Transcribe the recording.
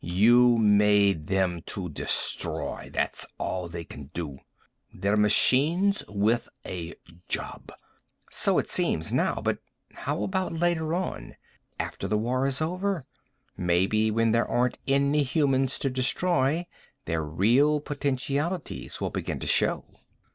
You made them to destroy. That's all they can do. They're machines with a job." "So it seems now. But how about later on? After the war is over. Maybe, when there aren't any humans to destroy, their real potentialities will begin to show."